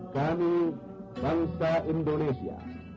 kami bangsa indonesia